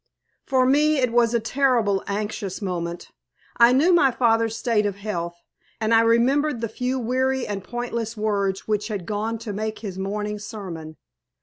For me it was a terribly anxious moment. I knew my father's state of health, and I remembered the few weary and pointless words which had gone to make his morning sermon.